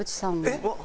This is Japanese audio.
えっ！